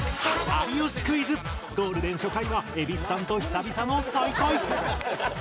『有吉クイズ』ゴールデン初回は蛭子さんと久々の再会！